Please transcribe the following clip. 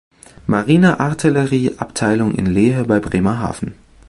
Marine-Artillerie-Abteilung in Lehe bei Bremerhaven.